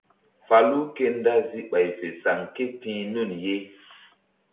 Falu ke ndazi ɓay fe saŋ ké ti̧h nun ye.